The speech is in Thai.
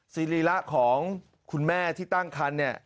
รีระของคุณแม่ที่ตั้งคันเนี่ย